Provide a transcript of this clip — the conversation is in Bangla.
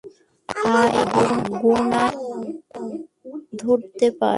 আমায় গোনায় ধরতে পার।